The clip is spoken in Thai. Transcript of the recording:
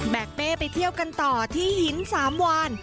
กเป้ไปเที่ยวกันต่อที่หินสามวาน